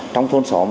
trong thôn xóm